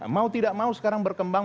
mau tidak mau sekarang berkembang